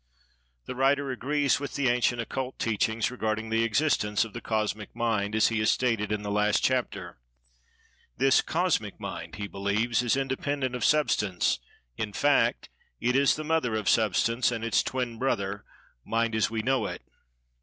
The writer agrees with the Ancient Occult Teachings regarding the existence of The Cosmic Mind, as he has stated in the last chapter.[Pg 201] This Cosmic Mind, he believes, is independent of Substance, in fact it is the Mother of Substance, and its twin brother, Mind as we know it.